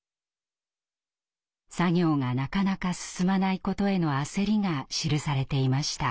作業がなかなか進まないことへの焦りが記されていました。